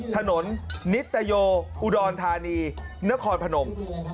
ถนนนิตโยอุดรธานีนครพนม